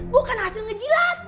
bukan hasil ngejilat